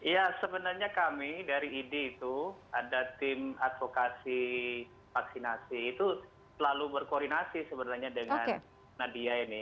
ya sebenarnya kami dari idi itu ada tim advokasi vaksinasi itu selalu berkoordinasi sebenarnya dengan nadia ini